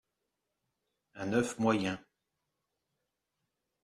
un oeuf moyen